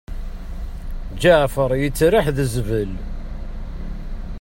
Ǧeɛfer yettraḥ d zbel.